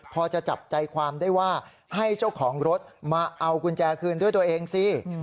พอจะจับใจความได้ว่าให้เจ้าของรถมาเอากุญแจคืนด้วยตัวเองสิ